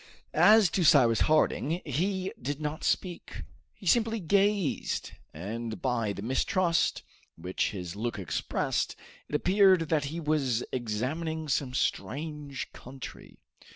As to Cyrus Harding, he did not speak; he simply gazed, and by the mistrust which his look expressed, it appeared that he was examining some strange country.